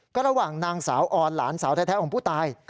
ก็ระหว่างนางสาวออนหลานสาวแท้ของผู้ตาย